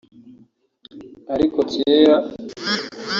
aliko kera